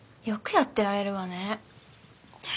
よくやってられるわね。